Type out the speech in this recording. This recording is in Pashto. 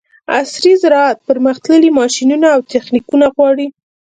عصري زراعت پرمختللي ماشینونه او تخنیکونه غواړي.